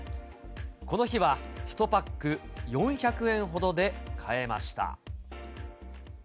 この日は、１パック４００円ほどで買えました。